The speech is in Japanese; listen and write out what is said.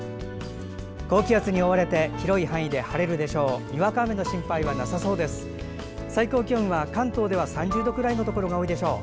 高気圧に覆われて広い範囲で晴れるでしょう。